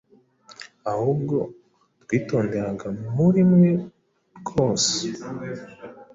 Ahubwo twitonderaga muri mwe rwose,